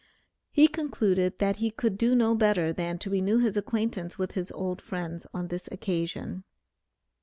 He concluded that he could do no better than to renew his acquaintance with his old friends on this occasion.